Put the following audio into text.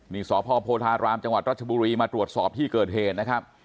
นี่สพโพธารามจังหวัดรัชบุรีมาตรวจสอบที่เกิดเหตุนะครับ